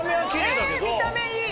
見た目いい。